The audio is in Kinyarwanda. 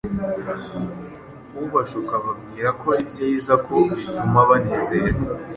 Ubashuka ababwira ko ari byiza, ko bituma banezerwa,